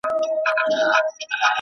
بله لمبه به په پانوس کي تر سهاره څارې ,